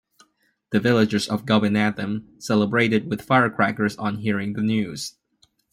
The villagers of Gopinatham celebrated with firecrackers on hearing the news.